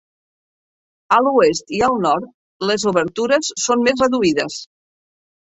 A l'oest i al nord les obertures són més reduïdes.